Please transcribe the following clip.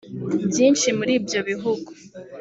Byinshi muri ibyo bihugu